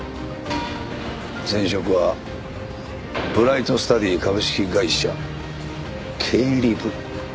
前職は「ブライトスタディ株式会社経理部」。